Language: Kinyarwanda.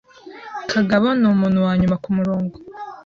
Kagabo numuntu wanyuma kumurongo.